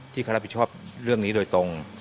ที่เขารับผิดชอบเรื่องนี้โดยตรง